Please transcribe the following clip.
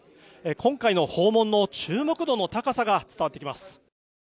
今回の訪問の注目度の高さが伝わってきます。